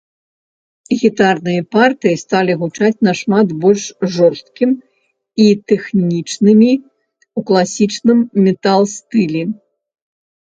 Гітарныя партыі сталі гучаць нашмат больш жорсткім і тэхнічнымі, у класічным метал-стылі.